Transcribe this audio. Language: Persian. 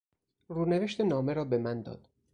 رونوشت نامه را به من داد.